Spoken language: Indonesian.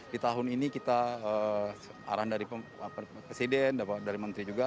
di tahun ini kita arahan dari presiden dari menteri juga